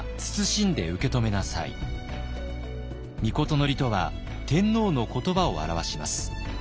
そして詔とは天皇の言葉を表します。